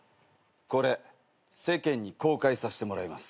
これ世間に公開させてもらいます。